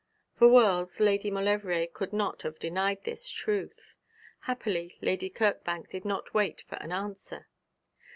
For worlds Lady Maulevrier could not have denied this truth. Happily Lady Kirkbank did not wait for an answer.